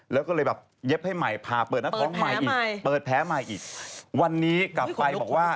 แล้วก็บอกเขาเย็บมันไม่ดีนะ